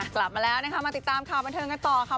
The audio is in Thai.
กลับมาแล้วนะคะมาติดตามข่าวบันเทิงกันต่อค่ะ